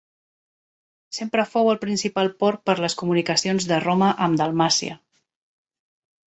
Sempre fou el principal port per les comunicacions de Roma amb Dalmàcia.